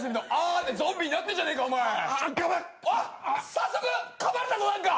早速かまれたぞ何か。